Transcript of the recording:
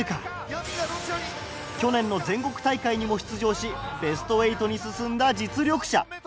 去年の全国大会にも出場しベスト８に進んだ実力者。